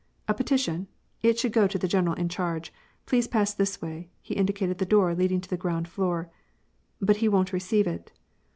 '' A petition ? It should go to the general in charge ; please pass this way," he indicated the door leading to the ground floor. " But he won't receive it."